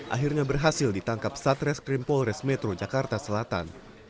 akhirnya berhasil ditangkap satres krimpol resmetro jakarta selatan